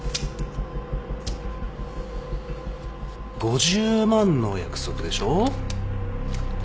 ５０万の約束でしょ？